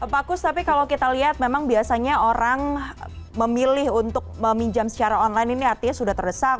pak kus tapi kalau kita lihat memang biasanya orang memilih untuk meminjam secara online ini artinya sudah terdesak